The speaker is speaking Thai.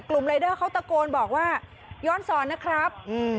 รายเดอร์เขาตะโกนบอกว่าย้อนสอนนะครับ